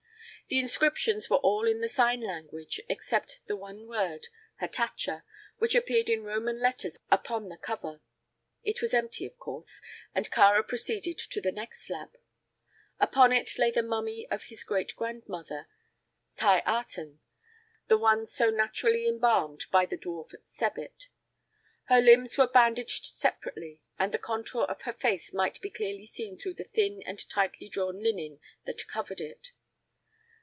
The inscriptions were all in the sign language except the one word, "Hatatcha," which appeared in Roman letters upon the cover. It was empty, of course, and Kāra proceeded to the next slab. Upon it lay the mummy of his great grandmother, Thi Aten, the one so naturally embalmed by the dwarf Sebbet. Her limbs were bandaged separately and the contour of her face might be clearly seen through the thin and tightly drawn linen that covered it.